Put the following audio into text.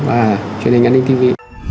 và truyền hình ấn đình tv